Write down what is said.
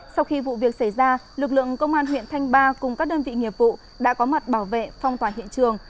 sau khi vụ việc xảy ra lực lượng công an huyện thanh ba cùng các đơn vị nghiệp vụ đã có mặt bảo vệ phong tỏa hiện trường